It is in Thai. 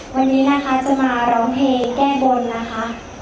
วันนี้นะคะจะมาร้องเพลงแก้บนนะคะ